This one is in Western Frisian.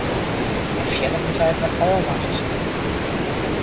En fierder moatte wy it mar ôfwachtsje.